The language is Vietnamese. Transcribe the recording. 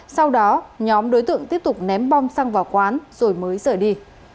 sau đó nhóm đối tượng tiếp tục ném bom xăng vào quán rồi mới rời đi